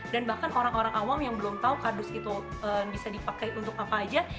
bahkan orang orang awam yang belum tahu kardus itu bisa dipakai untuk apa aja